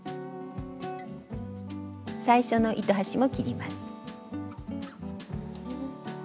最初の糸端も切ります。